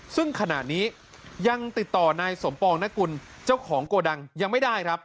ซึ่งขณะนี้ยังติดต่อนายสมปองนกุลเจ้าของโกดังยังไม่ได้ครับ